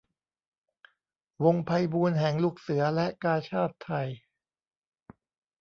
วงไพบูลย์แห่งลูกเสือและกาชาดไทย